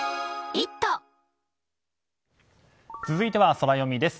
続いてはソラよみです。